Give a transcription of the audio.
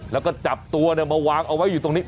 แล้วก็จับตัวมาวางเอาไว้อยู่ตรงนี้